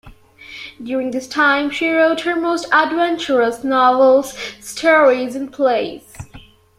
During this time she wrote her most adventurous novels, stories and plays.